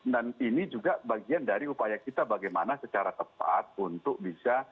dan ini juga bagian dari upaya kita bagaimana secara tepat untuk bisa